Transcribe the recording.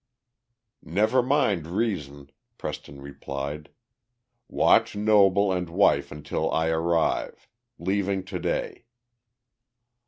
Never mind reason [Preston replied]. Watch Noble and wife until I arrive. Leaving to day.